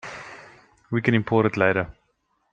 We can import it later.